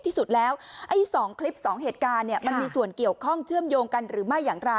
ที่สุดแล้วไอ้๒คลิป๒เหตุการณ์มันมีส่วนเกี่ยวข้องเชื่อมโยงกันหรือไม่อย่างไร